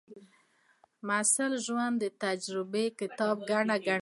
د محصل ژوند د تجربو کتاب ګڼل کېږي.